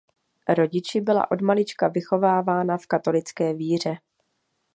Rodiči byla od malička vychovávána v katolické víře.